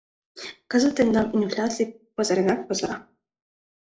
— Кызыт тендам инфляций пызыренак пызыра.